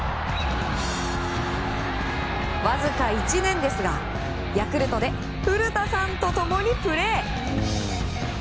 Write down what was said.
わずか１年ですが、ヤクルトで古田さんと共にプレー。